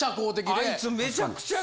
あいつめちゃくちゃよ。